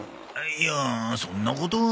いやあそんなことは。